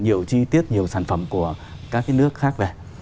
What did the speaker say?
nhiều chi tiết nhiều sản phẩm của các cái nước khác về